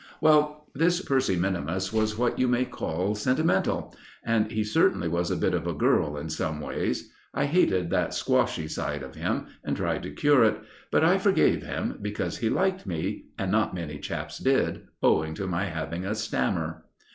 Well, this Percy minimus was what you may call sentimental, and he certainly was a bit of a girl in some ways. I hated that squashy side of him, and tried to cure it; but I forgave him, because he liked me, and not many chaps did, owing to my having a stammer.